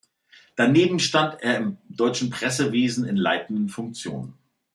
Daneben stand er im deutschen Pressewesen in leitenden Funktionen.